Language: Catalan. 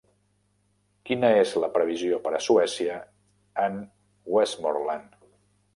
quina és la previsió per a Suècia en Westmoreland